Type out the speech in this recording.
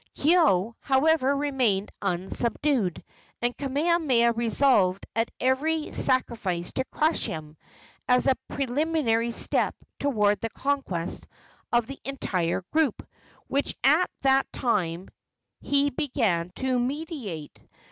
Keoua, however, remained unsubdued, and Kamehameha resolved at every sacrifice to crush him, as a preliminary step toward the conquest of the entire group, which at that time he began to meditate.